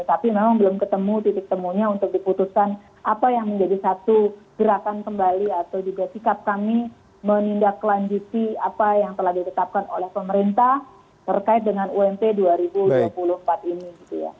tapi memang belum ketemu titik temunya untuk diputuskan apa yang menjadi satu gerakan kembali atau juga sikap kami menindaklanjuti apa yang telah ditetapkan oleh pemerintah terkait dengan ump dua ribu dua puluh empat ini